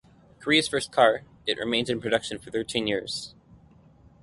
Korea's first car, it remained in production for thirteen years.